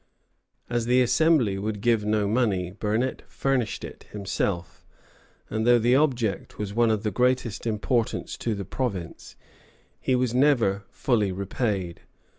As the Assembly would give no money, Burnet furnished it himself; and though the object was one of the greatest importance to the province, he was never fully repaid.